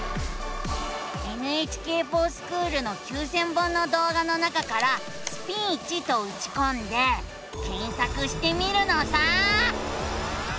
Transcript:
「ＮＨＫｆｏｒＳｃｈｏｏｌ」の９，０００本の動画の中から「スピーチ」とうちこんで検索してみるのさ！